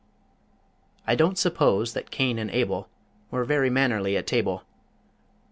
I don't suppose that Cain and Abel Were very mannerly at table.